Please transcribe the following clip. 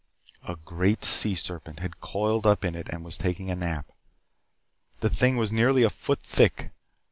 A great sea serpent had coiled up in it and was taking a nap. The thing was nearly a foot thick.